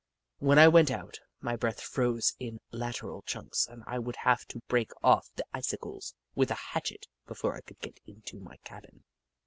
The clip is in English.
When I went out, my breath froze in lateral chunks and I would have to break off the icicles with a hatchet before I could get into my cabin.